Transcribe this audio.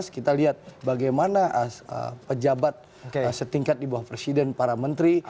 kita lihat bagaimana pejabat setingkat di bawah presiden para menteri